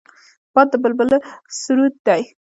باد د بلبله سرود دی